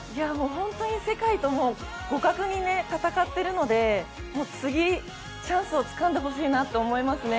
本当に世界と互角に戦っているのでもう次、チャンスをつかんでほしいなと思いますね。